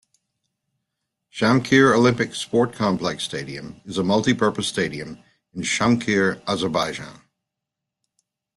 Shamkir Olympic Sport Complex Stadium is a multi-purpose stadium in Shamkir, Azerbaijan.